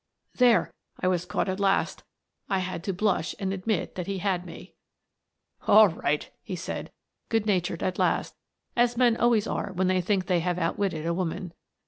There I was, caught at last! I had to blush and admit that he had me. "All right," he said, good natured at last, as men always are when they think they have out witted a woman.